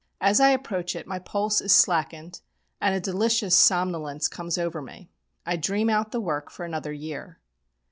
As I approach it my pulse is slackened and a delicious somnolence comes over me. I dream out the work for another year.